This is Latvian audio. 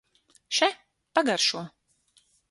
Še, pagaršo!